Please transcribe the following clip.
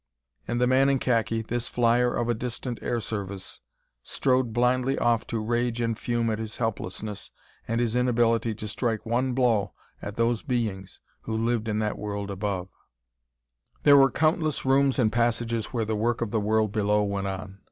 And the man in khaki this flyer of a distant air service strode blindly off to rage and fume at his helplessness and his inability to strike one blow at those beings who lived in that world above. There were countless rooms and passages where the work of the world below went on.